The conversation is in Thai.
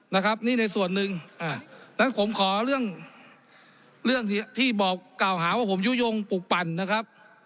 นะครับนี่ในส่วนหนึ่งนั้นผมขอเรื่องเรื่องที่บอกกล่าวหาว่าผมยุโยงปลูกปั่นนะครับ